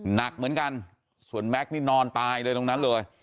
หนักเหมือนกันส่วนแม็กซ์นี่นอนตายเลยตรงนั้นเลย